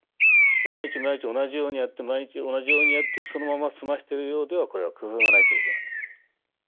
毎日毎日同じようにやって毎日同じようにやってそのまま済ましてるようではこれは工夫がないということなんです。